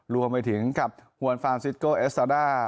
รวมไปถึงกับฮวนฟานซิสโกเอสซาด้า